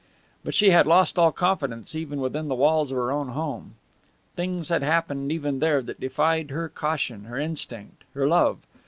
But she had lost all confidence even within the walls of her own home. Things had happened even there that defied her caution, her instinct, her love.